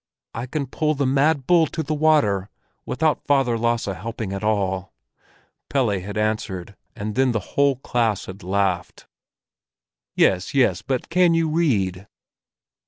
"I can pull the mad bull to the water without Father Lasse helping at all," Pelle had answered, and then the whole class had laughed. "Yes, yes, but can you read?"